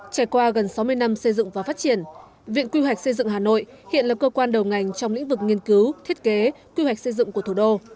trải qua gần sáu mươi năm xây dựng và phát triển viện quy hoạch xây dựng hà nội hiện là cơ quan đầu ngành trong lĩnh vực nghiên cứu thiết kế quy hoạch xây dựng của thủ đô